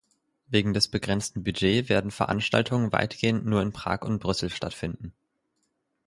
Wegen des begrenzten Budget werden Veranstaltungen weitgehend nur in Prag und Brüssel stattfinden.